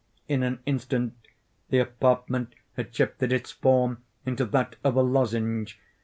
In an instant the apartment had shifted its form into that of a lozenge.